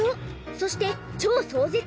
そして超壮絶！